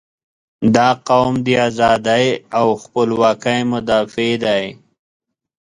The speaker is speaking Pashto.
• دا قوم د ازادۍ او خپلواکۍ مدافع دی.